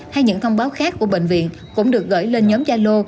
hay những thông báo khác của bệnh viện cũng được gửi lên nhóm yalo